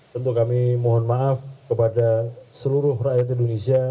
tentu kami mohon maaf kepada seluruh rakyat indonesia